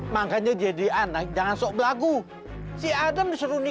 sampai jumpa di video selanjutnya